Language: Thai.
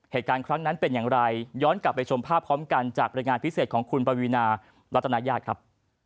เหตุการณ์ครั้งนั้นเป็นอย่างไรย้อนกลับไปชมภาพพร้อมกันจากบรรยายงานพิเศษของคุณปวีนารัตนาญาติครับ